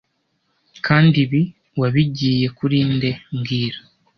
Kandi ibi wabigiye kuri nde mbwira